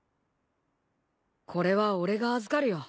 これは俺が預かるよ。